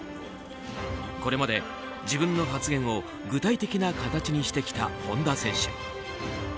これまで自分の発言を具体的な形にしてきた本田選手。